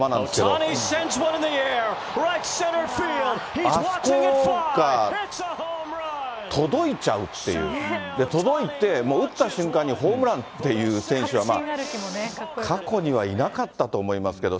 あそこに届いちゃうっていう、届いて、打った瞬間にホームランっていう選手はまあ、過去にはいなかったと思いますけれども。